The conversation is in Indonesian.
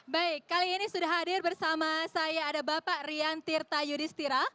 baik kali ini sudah hadir bersama saya ada bapak rian tirta yudhistira